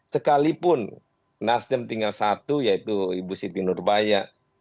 sekalipun nasdem tinggal satu yaitu ibu siti nurbaya